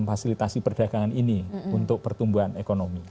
memfasilitasi perdagangan ini untuk pertumbuhan ekonomi